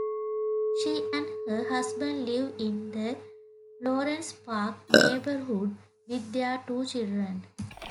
She and her husband live in the Lawrence Park neighbourhood with their two children.